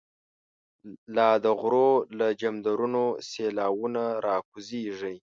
لا دغرو له جمدرونو، سیلاوونه ر ا کوزیږی